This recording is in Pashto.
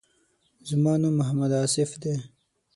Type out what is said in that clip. زما نوم محمد آصف دی.